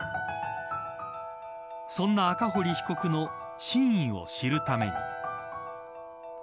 そんな赤堀被告の真意を知るために。